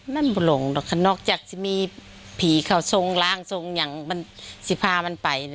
นั่นไม่ลงนะคะนอกจากจะมีผีเขาส่งล้างส่งอย่างสิภาพมันไป